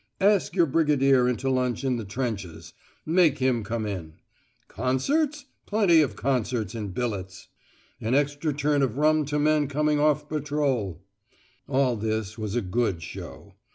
"Ask your Brigadier into lunch in the trenches: make him come in." "Concerts? plenty of concerts in billets." "An extra tot of rum to men coming off patrol." All this was a "good show."